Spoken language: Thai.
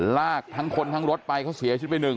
ลากทั้งคนทั้งรถไปเขาเสียชีวิตไปหนึ่ง